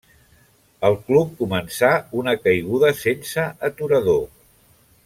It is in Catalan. El club començà una caiguda sense aturador.